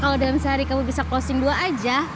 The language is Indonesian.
kalau dalam sehari kamu bisa closing dua aja